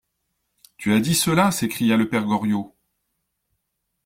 Tu as dit cela ! s'écria le père Goriot.